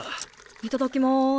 いただきます。